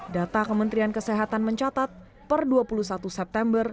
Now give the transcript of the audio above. data kementerian kesehatan mencatat per dua puluh satu september